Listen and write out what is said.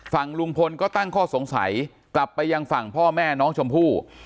ฝั่งลุงพลก็ตั้งข้อสงสัยกลับไปยังฝั่งพ่อแม่น้องชมพู่